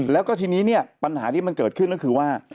แล้วก็ทีนี้เนี่ยปัญหาที่มันเกิดขึ้นก็คือว่า